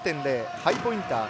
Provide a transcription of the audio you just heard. ハイポインター。